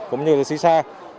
cũng như là xì xa